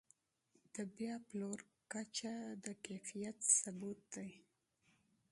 د بیا پلور کچه د کیفیت ثبوت دی.